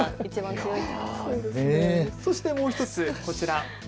そしてもう１つ、こちら。